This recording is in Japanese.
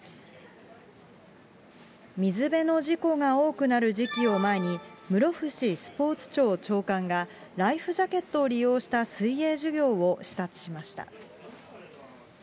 水辺の事故が多くなる時期を前に、室伏スポーツ庁長官が、ライフジャケットを利用した水泳授業を視察しました。